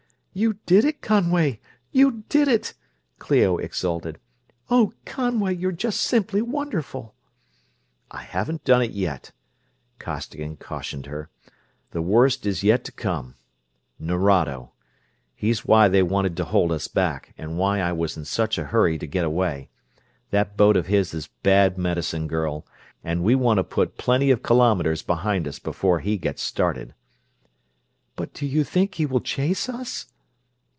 "You did it, Conway; you did it!" Clio exulted. "Oh, Conway, you're just simply wonderful!" "I haven't done it yet," Costigan cautioned her. "The worst is yet to come. Nerado. He's why they wanted to hold us back, and why I was in such a hurry to get away. That boat of his is bad medicine, girl, and we want to put plenty of kilometers behind us before he gets started." "But do you think he will chase us?"